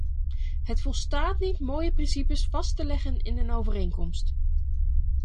Het volstaat niet mooie principes vast te leggen in een overeenkomst.